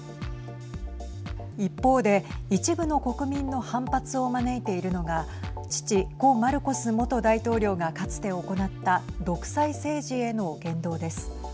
一方で一部の国民の反発を招いているのが父、故マルコス元大統領がかつて行った独裁政治への言動です。